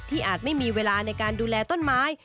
อาจไม่มีเวลาในการดูแลต้นไม้